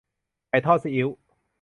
ไก่ทอดซีอิ๊ว